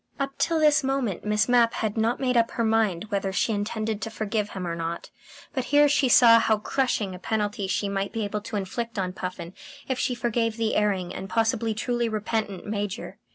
Up till this moment Miss Mapp had not made up her mind whether she intended to forgive him or not; but here she saw how crushing a penalty she might be able to inflict on Puffin if she forgave the erring and possibly truly repentant Major.